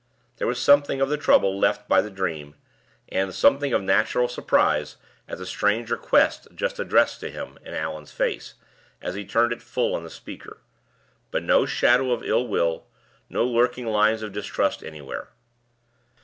There was something of the trouble left by the dream, and something of natural surprise at the strange request just addressed to him, in Allan's face, as he turned it full on the speaker; but no shadow of ill will, no lurking lines of distrust anywhere.